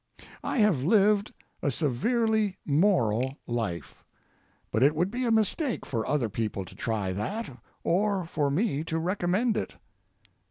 I have lived a severely moral life. But it would be a mistake for other people to try that, or for me to recommend it.